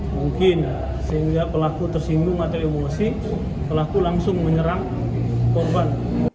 mungkin sehingga pelaku tersinggung materi pelaku langsung menyerang korban